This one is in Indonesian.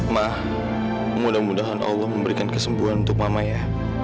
mah mudah mudahan allah memberikan kesembuhan untuk mama ya